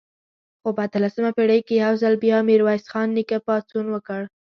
خو په اتلسمه پېړۍ کې یو ځل بیا میرویس خان نیکه پاڅون وکړ.